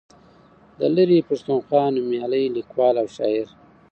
د لرې پښتونخوا نومیالی لیکوال او شاعر